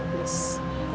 stop bikin keributan please